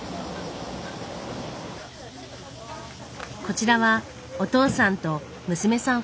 こちらはお父さんと娘さん